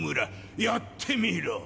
やってみろ！